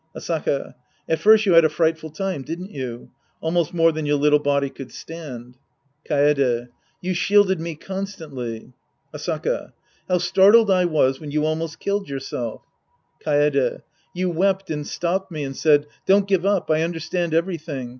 Asaka. At first you had a frightful time, didn't you? Almost more than your little body could stand. Kaede. You shielded me constantly. Asaka. How startled I was when you almost killed yourself. Kaede. You wept and stopped me and said, " Don't give up. I understand everything.